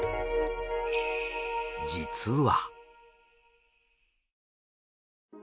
実は。